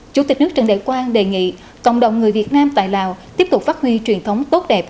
chủ tịch nước trần đại quang đề nghị cộng đồng người việt nam tại lào tiếp tục phát huy truyền thống tốt đẹp